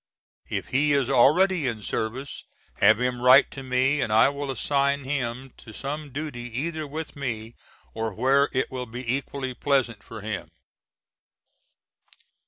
If he is already in service have him write to me and I will assign him to some duty either with me or where it will be equally pleasant for him.